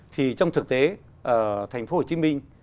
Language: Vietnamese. thì trong thực tế ở thành phố hồ chí minh